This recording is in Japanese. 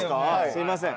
すいません。